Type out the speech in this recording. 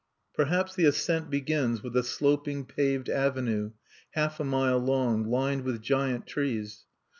Perhaps the ascent begins with a sloping paved avenue, half a mile long, lined with giant trees.